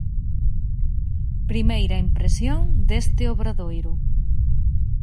Primeira impresión deste Obradoiro.